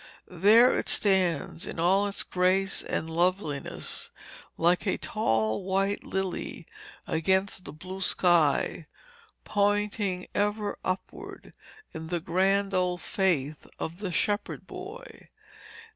There it stands in all its grace and loveliness like a tall white lily against the blue sky, pointing ever upward, in the grand old faith of the shepherd boy.